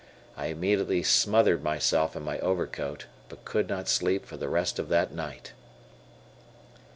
I immediately smothered myself in my overcoat, but could not sleep for the rest of that night.